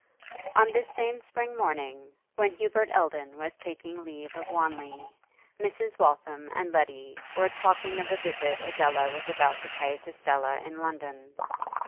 On this same spring morning, when Hubert Eldon was taking leave of Wanley, Mrs. Waltham and Letty were talking of a visit Adela was about to pay to Stella in London.